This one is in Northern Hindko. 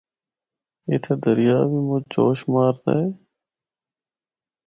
اِتھا دریا بھی مُچ جوش ماردا اے۔